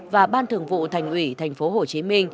và ban thường vụ thành ủy tp hcm